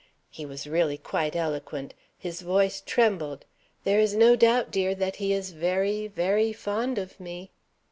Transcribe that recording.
He was really quite eloquent. His voice trembled. There is no doubt, dear, that he is very, very fond of me."